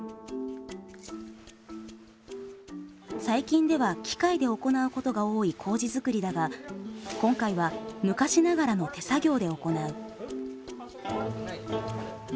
最近では機械で行うことが多い麹づくりだが今回は昔ながらの手作業で行う。